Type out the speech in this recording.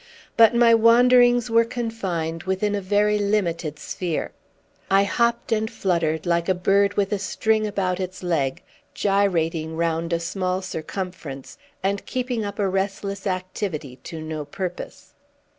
But my wanderings were confined within a very limited sphere. I hopped and fluttered, like a bird with a string about its leg, gyrating round a small circumference, and keeping up a restless activity to no purpose.